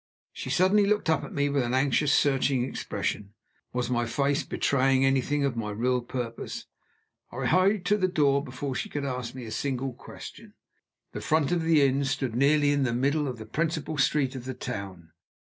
She suddenly looked up at me with an anxious searching expression. Was my face betraying anything of my real purpose? I hurried to the door before she could ask me a single question. The front of the inn stood nearly in the middle of the principal street of the town.